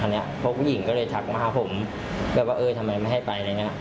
แล้วพวกผู้หญิงก็เลยทักมาให้ผมแบบว่าทำไมไม่ให้ไป